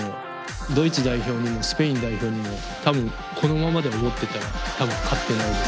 ドイツ代表にもスペイン代表にも多分このままで思ってたら勝ってないです。